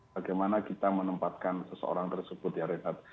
bagaimana kita menempatkan seseorang tersebut ya renat